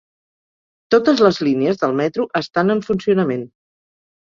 Totes les línies del metro estan en funcionament